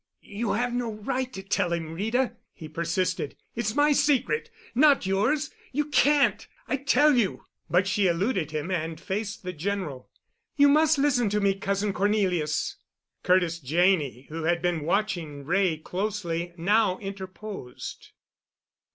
"You have no right to tell him, Rita," he persisted. "It's my secret!—not yours! You can't! I tell you." But she eluded him and faced the General. "You must listen to me, Cousin Cornelius." Curtis Janney, who had been watching Wray closely, now interposed.